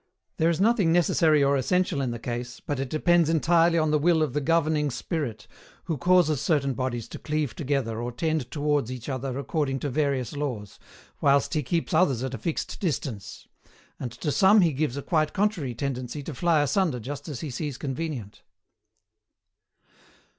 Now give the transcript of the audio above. There is nothing necessary or essential in the case, but it depends entirely on the will of the Governing Spirit, who causes certain bodies to cleave together or tend towards each other according to various laws, whilst He keeps others at a fixed distance; and to some He gives a quite contrary tendency to fly asunder just as He sees convenient.